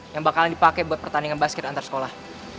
yang bakalan dipakai buat pertandingan basket antar sekolah